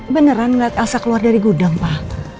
beneran liat elsa keluar dari gudang pak